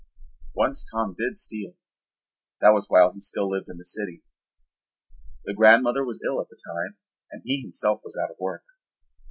Once Tom did steal. That was while he still lived in the city. The grandmother was ill at the time and he himself was out of work.